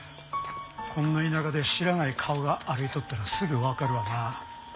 こんな田舎で知らない顔が歩いとったらすぐわかるわな。